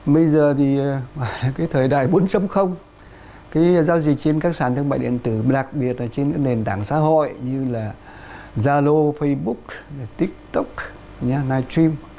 bây giờ thì cái thời đại bốn cái giao dịch trên các sản thương mại điện tử đặc biệt là trên những nền tảng xã hội như là zalo facebook tiktok nightstream